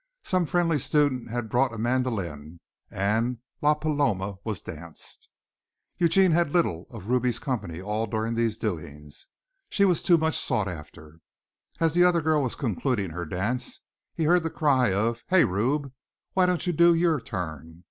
Some friendly student had brought a mandolin and "La Paloma" was danced. Eugene had little of Ruby's company during all these doings. She was too much sought after. As the other girl was concluding her dance he heard the cry of "Hey, Rube! Why don't you do your turn?"